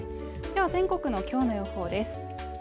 では全国の今日の予報です